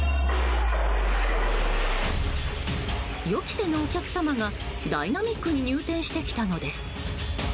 予期せぬお客様がダイナミックに入店してきたのです。